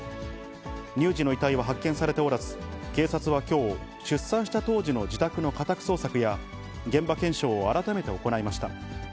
乳児の遺体は発見されておらず、警察はきょう、出産した当時の自宅の家宅捜索や、現場検証を改めて行いました。